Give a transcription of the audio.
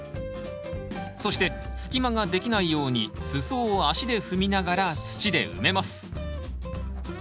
そして隙間ができないように裾を足で踏みながら土で埋めます。